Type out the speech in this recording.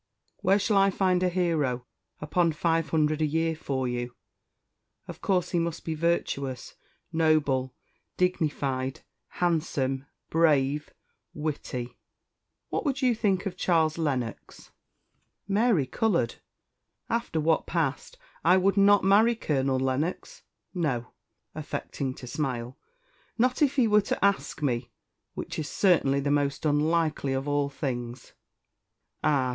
Where shall I find a hero upon five hundred a year for you? Of course he must be virtuous, noble, dignified, handsome, brave, witty. What would you think of Charles Lennox?" Mary coloured. "After what passed, I would not marry Colonel Lennox; no" affecting to smile "not if he were to ask me, which is certainly the most unlikely of all things." "Ah!